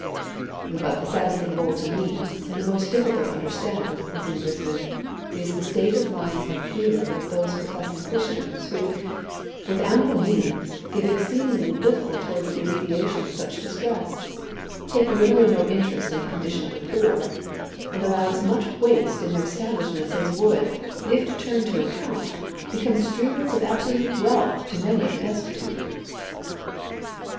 "But the saddest thing of all to me, and the most difficult to understand," resumed Brisbane, "is the state of mind and feeling of those professing Christians, who, with ample means, give exceedingly little towards the alleviation of such distress, take little or no interest in the condition of the poor, and allow as much waste in their establishments as would, if turned to account, become streamlets of absolute wealth to many of the destitute."